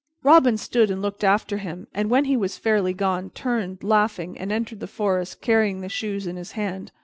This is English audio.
Robin stood and looked after him, and, when he was fairly gone, turned, laughing, and entered the forest carrying the shoes in his hand.